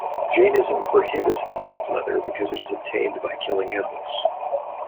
Jainism prohibits the use of leather because it is obtained by killing animals.